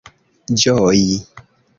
ĝoji